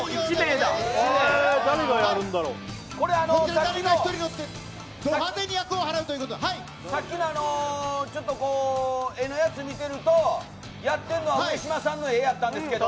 ど派手に厄を払うということさっきのあの、ちょっと絵のやつ見てると、やってんのは上島さんの絵やったんですけど。